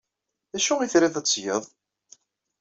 D acu ay triḍ ad t-tgeḍ?